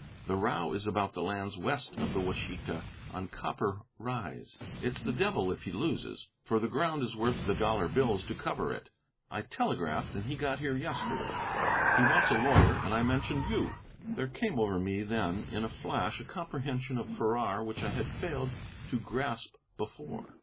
The row is about the lands west of the Washita, on Copper Rise. It's the devil if he loses, for the ground is worth the dollar bills to cover it. I telegraphed, and he got here yesterday. He wants a lawyer, and I mentioned you." There came over me then in a flash a comprehension of Farrar which I had failed to grasp before.